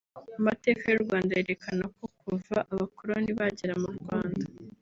Amateka y’u Rwanda yerekana ko kuva Abakoloni bagera mu Rwanda